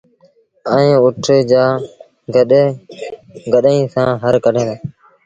ائيٚݩ اُٺ جآݩ گڏئيٚن سآݩ هر ڪڍين دآ